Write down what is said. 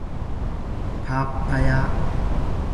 paappayaa